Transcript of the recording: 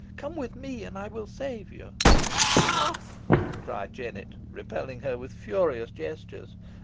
Come with me, and I will save you." "Off!" cried Jennet, repelling her with furious gestures.